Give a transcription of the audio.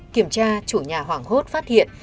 kiểm tra chủ nhà hoảng hốt phát hiện